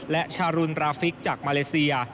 และชารุนราฟิกจากมาเลเซีย